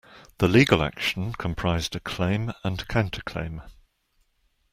The legal action comprised a claim and counterclaim.